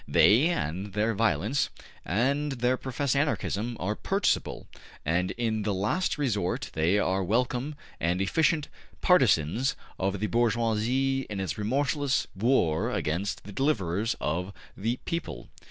They, and their violence, and their professed Anarchism are purchasable, and in the last resort they are welcome and efficient partisans of the bourgeoisie in its remorseless war against the deliverers of the people.''